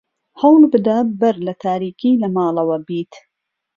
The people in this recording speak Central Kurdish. هەوڵ بدە بەر لە تاریکی لە ماڵەوە بیت.